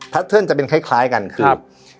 พัฒน์จะเป็นคล้ายกันคือ